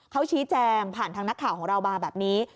เขาชี้แจงผ่านทางนักข่าวของเรามาแบบนี้